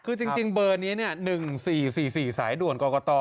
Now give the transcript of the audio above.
คือจริงเบอร์นี้๑๔๔๔สายด่วนกรกต